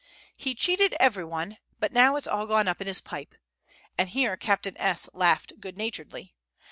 "He cheated every one, but now it's all gone up in his pipe;" and here Captain S. laughed good naturedly.